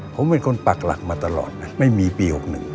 ผมเป็นคนปากหลักมาตลอดนะไม่มีปี๖๑